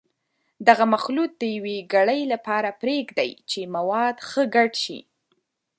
دغه مخلوط د یوې ګړۍ لپاره پرېږدئ چې مواد ښه ګډ شي.